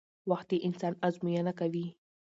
وخت د انسان ازموینه کوي